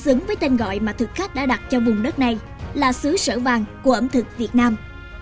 xứng với tên gọi mà thực khách đã đặt cho vùng đất này là sứ sở vàng của ẩm thực việt nam